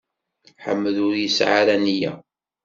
Ḥmed ur yesɛi ara nniya.